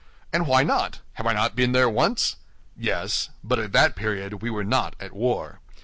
"And why not? Have I not been there once?" "Yes; but at that period we were not at war.